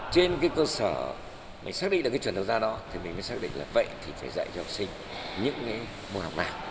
trên cái cơ sở mình xác định được cái chuẩn đầu ra đó thì mình mới xác định là vậy thì phải dạy cho học sinh những cái môn học nào